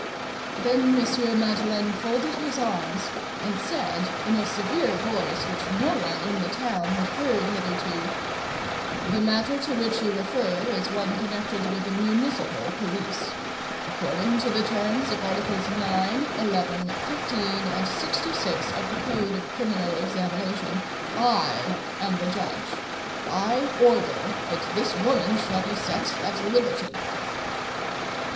Then M. Madeleine folded his arms, and said in a severe voice which no one in the town had heard hitherto:— "The matter to which you refer is one connected with the municipal police. According to the terms of articles nine, eleven, fifteen, and sixty six of the code of criminal examination, I am the judge. I order that this woman shall be set at liberty."